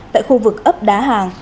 tại khu vực ấp đá hàng